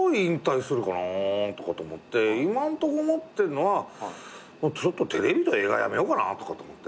今んとこ思ってんのはテレビと映画やめようかなとかって思って。